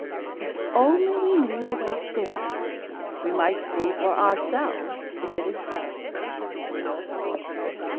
If only we knew the way thither, we might see for ourselves if it is so.